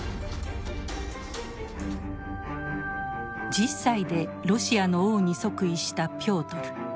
１０歳でロシアの王に即位したピョートル。